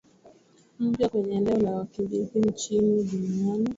mpya kwenye eneo la wakimbizi nchini duniani